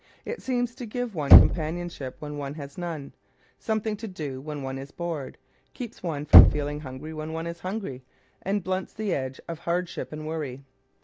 It seems to give one companionship when one has none, something to do when one is bored, keeps one from feeling hungry when one is hungry, and blunts the edge of hardship and worry.